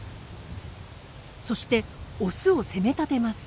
そしてオスを攻めたてます。